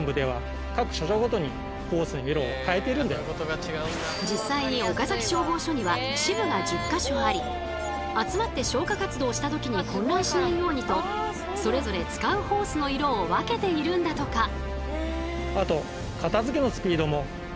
それでは実際に岡崎消防署には支部が１０か所あり集まって消火活動した時に混乱しないようにとそれぞれ使うホースの色を分けているんだとか。